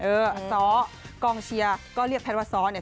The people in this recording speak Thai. เออซ้อกองเชียร์ก็เรียกแพทย์ว่าซ้อเนี่ย